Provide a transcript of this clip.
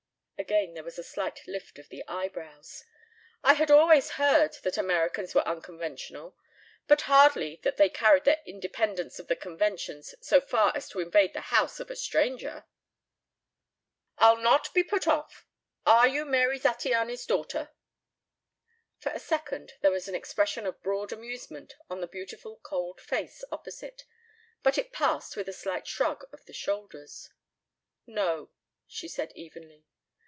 Again there was a slight lift of the eyebrows. "I had always heard that Americans were unconventional, but hardly that they carried their independence of the conventions so far as to invade the house of a stranger." "I'll not be put off. Are you Mary Zattiany's daughter?" For a second there was an expression of broad amusement on the beautiful cold face opposite, but it passed with a slight shrug of the shoulders. "No," she said evenly.